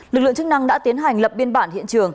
lực lượng chức năng đã tiến hành lập biên bản hiện trường